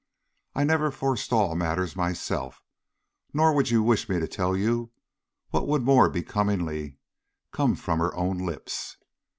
I never forestall matters myself, nor would you wish me to tell you what would more becomingly come from her own lips.